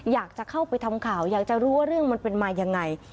อยากจะเข้าไปทำข่าวอยากจะรู้ว่าเรื่องมันเป็นมายังไง